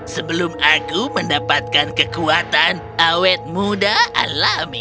sebelum aku mendapatkan kekuatan awet muda alami